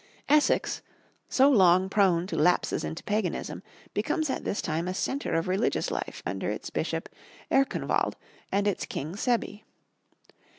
Essex, so long prone to lapses into paganism, becomes at this time a centre of religious life under its Bishop Earconwald and its king Sebbi.